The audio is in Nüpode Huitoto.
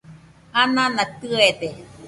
anana tɨede